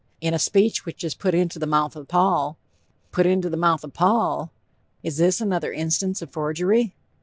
In a speech which is put into the mouth of Paul" put into the mouth of Paul! Is this another instance of forgery?